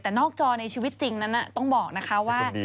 แต่นอกจอในชีวิตจริงนั้นต้องบอกนะคะว่า